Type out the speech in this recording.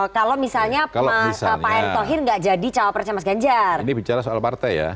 kalau misalnya pak erick thohir enggak jadi cowok presnya masganjar ini bicara soal partai ya